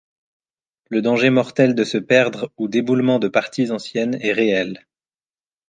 Le danger mortel de se perdre ou d’éboulement de parties anciennes est réel.